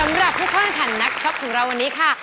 สำหรับผู้เข้าแข่งขันนักช็อปของเราวันนี้ค่ะ